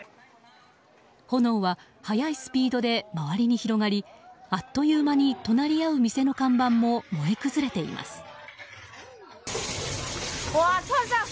炎は早いスピードで周りに広がりあっという間に隣り合う店の看板も燃え崩れています。